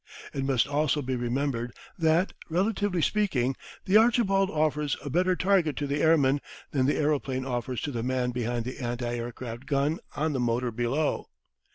It must also be remembered that, relatively speaking, the "Archibald" offers a better target to the airman than the aeroplane offers to the man behind the anti aircraft gun on the motor below.